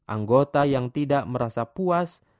anggota yang tidak merasa puas